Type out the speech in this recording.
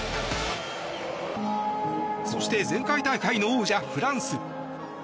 そして、前回大会の王者フランス。